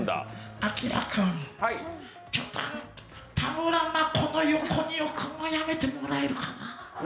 明君、ちょっと田村真子の横に置くの、やめてもらえるかな？